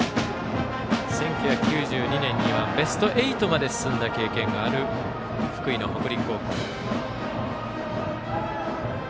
１９９２年にはベスト８まで進んだ経験がある福井の北陸高校。